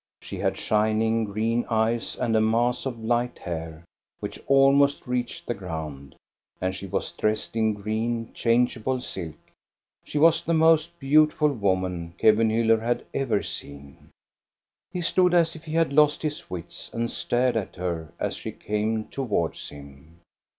She had shining, green eyes, and a mass of light hair, which almost reached the ground, and she was dressed in green, changeable silk. She was the most beautiful woman Kevenhiiller had ever seen. He stood as if he had lost his wits, and stared at her as she came towards him.